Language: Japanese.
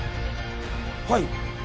はい。